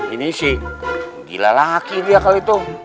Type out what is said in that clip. ini sih gila laki dia kali itu